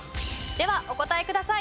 ではお答えください。